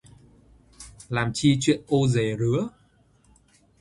Làm chi chuyện ô dề rứa